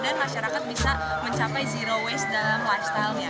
dan masyarakat bisa mencapai zero waste dalam lifestylenya